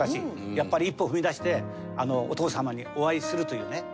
やっぱり一歩踏み出してお父様にお会いするというね。